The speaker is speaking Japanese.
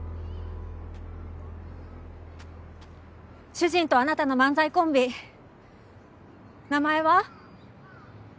主人とあなたの漫才コンビ名前は？